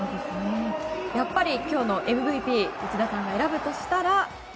やっぱり今日のＭＶＰは内田さんが選ぶとしたら。